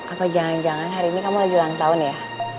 apa jangan jangan hari ini kamu lagi ulang tahun ya